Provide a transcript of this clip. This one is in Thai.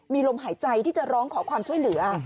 มีลมหายใจที่จะร้องขอความช่วยเหลือ